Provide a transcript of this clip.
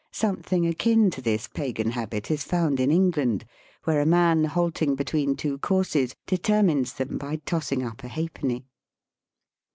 Something akin to this pagan habit is found in England, where a man halting between two courses determines them by tossing up a halfpenny.